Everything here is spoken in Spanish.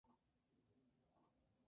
No es sexy, pero es muy interesante".